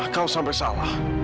kau sampai salah